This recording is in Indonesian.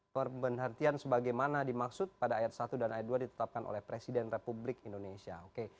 perbenartian sebagaimana dimaksud pada ayat satu dan ayat dua ditetapkan oleh presiden republik indonesia oke